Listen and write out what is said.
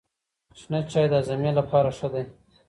شنه چای د هاضمې لپاره ښه دی.